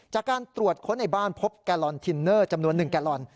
จากการตรวจค้นในบ้านพบแกลลอนทินเนอร์จำนวน๑แกลลอน